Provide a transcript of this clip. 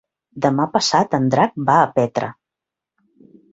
Demà passat en Drac va a Petra.